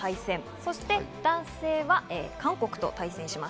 そして男子は韓国と対戦します。